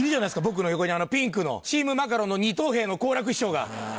僕の横にピンクのチームマカロンの２等兵の好楽師匠が！